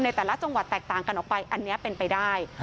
แต่ละจังหวัดแตกต่างกันออกไปอันนี้เป็นไปได้